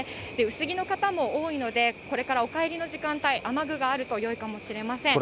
薄着の方も多いので、これからお帰りの時間帯、雨具があるとよいかもしれません。